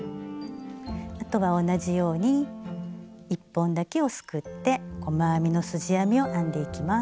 あとは同じように１本だけをすくって細編みのすじ編みを編んでいきます。